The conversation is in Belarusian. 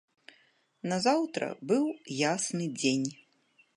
Назаўтра быў ясны дзень.